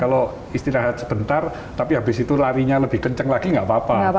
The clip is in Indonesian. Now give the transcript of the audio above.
kalau istirahat sebentar tapi habis itu larinya lebih kenceng lagi nggak apa apa